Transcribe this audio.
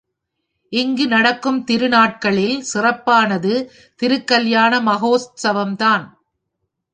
இங்கு நடக்கும் திருநாட்களில் சிறப்பானது திருக் கல்யாண மகோத்சவம்தான்.